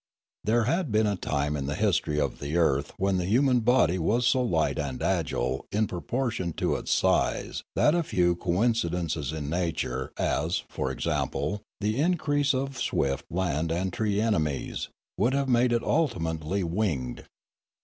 There had been a time in the history of the earth when the human body was so light and agile in proportion to its size that a few coincidences in nature, as, for example, the increase of swift land and tree enemies, would have made it ultimately winged.